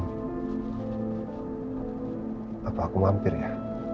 papa aku mampir ya